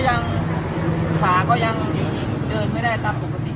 ก็ยังฝาก็ยังเดินไม่ได้ตามปกติ